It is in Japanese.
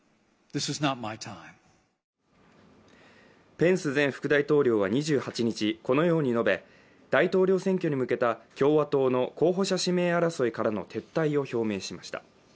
ペンス前副大統領は２８日、このように述べ大統領選挙に向けた共和党の候補者指名争いからの撤退を表明しました。